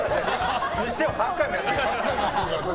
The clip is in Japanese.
にしては３回もやったじゃん。